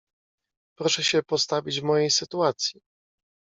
"Proszę się postawić w mojej sytuacji."